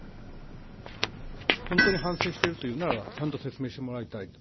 本当に反省しているというのなら、ちゃんと説明してもらいたいと。